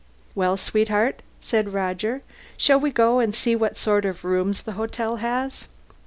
"Well, sweetheart," said Roger, "shall we go and see what sort of rooms the hotel has?"